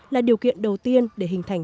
là điều kiện đầu tiên để hình thành